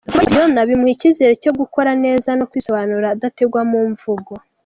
Kuba yitwa Fiona bimuha icyizere cyo gukora neza no kwisobanura adategwa mu mvugo.